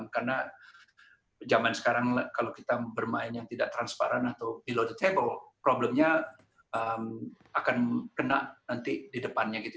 karena zaman sekarang kalau kita bermain yang tidak transparan atau below the table problemnya akan kena nanti di depannya gitu